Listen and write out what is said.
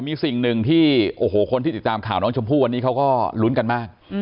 มีสิ่งหนึ่งที่โอ้โหคนที่ติดตามข่าวน้องชมพู่วันนี้เขาก็ลุ้นกันมาก